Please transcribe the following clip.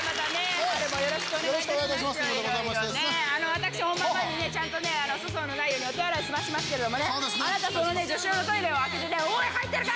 私本番前にねちゃんと粗相のないようにお手洗い済ましますけどもねあなたその女子用のトイレを開けておい入ってるか！